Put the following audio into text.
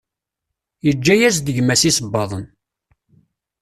Yeǧǧa-as-d gma-s iṣebbaḍen.